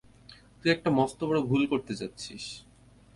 তুই একটা মস্তবড় ভুল করতে যাচ্ছিস।